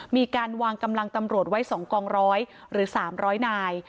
มีการวางกำลังตำรวจไว้สองกองร้อยหรือสามร้อยนาย